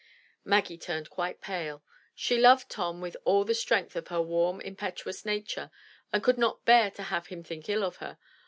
Maggie turned quite pale. She loved Tom with all the strength of her warm, impetuous nature and could not bear to have him think ill of her.